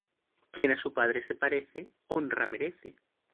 Quien a su padre se parece, honra merece